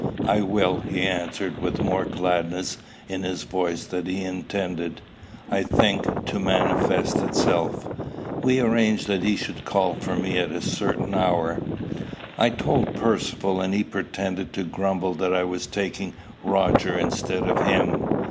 "I will," he answered, with more gladness in his voice than he intended, I think, to manifest itself. We arranged that he should call for me at a certain hour. I told Percivale, and he pretended to grumble that I was taking Roger instead of him.